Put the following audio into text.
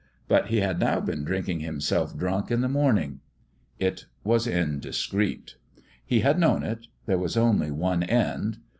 But he had now been drinking himself drunk in the morn ing. It was indiscreet. He had known it. There was only one end.